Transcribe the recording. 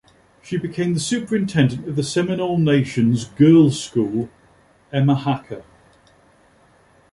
She became the superintendent of the Seminole Nation's girls' school, Emahaka.